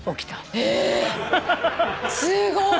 えすごい。